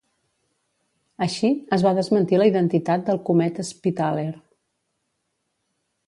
Així, es va desmentir la identitat del cometa "Spitaler"